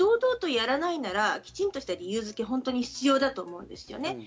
堂々とやらないなら、きちんとした理由づけが本当に必要だと思うんですね。